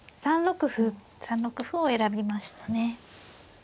３六歩を選びましたね。